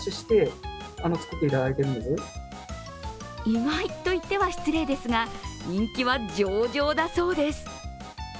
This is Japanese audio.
意外と言っては失礼ですが、人気は上々だそうです。